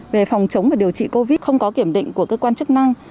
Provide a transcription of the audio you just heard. về phòng chống và điều trị covid một mươi chín không có kiểm định của cơ quan chức năng